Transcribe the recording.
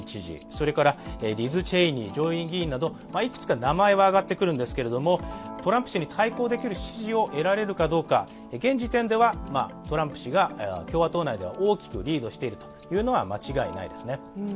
それからリズ・チェイニー上院議員などいくつか名前は挙がってくるんですがトランプ氏に対抗できるかどうか現時点ではトランプ氏が共和党内では大きくリードしているのは間違いないですね。